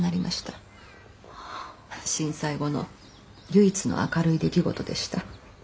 震災後の唯一の明るい出来事でした。